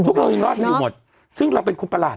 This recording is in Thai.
พวกเรายังรอดกันอยู่หมดซึ่งเราเป็นคนประหลาด